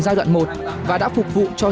giai đoạn một và đã phục vụ cho